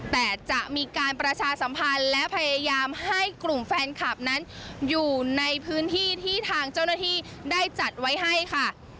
แต่จะมีการประชาสัมพันธ์และพยายามให้กลุ่มแฟนคลับนั้นอยู่ในพื้นที่ที่ทางเจ้าหน้าที่ได้จัดไว้ให้ค่ะ